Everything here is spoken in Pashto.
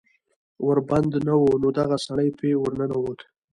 ور بند نه و نو دغه سړی پې ور ننوت